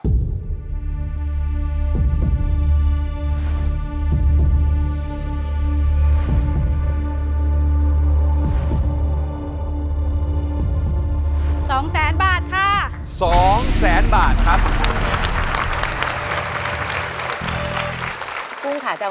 เปลี่ยนเพลงเก่งของคุณและข้ามผิดได้๑คำ